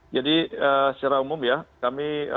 jadi secara umum ya kami